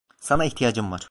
Sana ihtiyacım var.